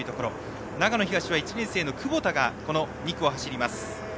長野東は１年生の窪田が２区を走ります。